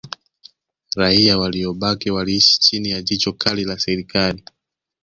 Raia waliobaki waliishi chini ya jicho kali la Serikali